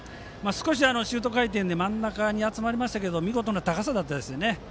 少しシュート回転で真ん中に集まりましたが見事な高さでしたね。